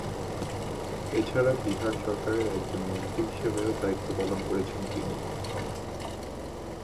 এছাড়া, বিহার সরকারের একজন মন্ত্রী হিসেবেও দায়িত্ব পালন করেছেন তিনি।